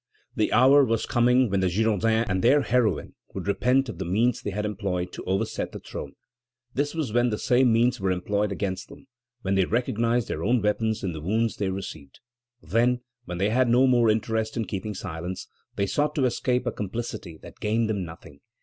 The hour was coming when the Girondins and their heroine would repent of the means they had employed to overset the throne. This was when the same means were employed against them, when they recognized their own weapons in the wounds they received. Then, when they had no more interest in keeping silence, they sought to escape a complicity that gained them nothing.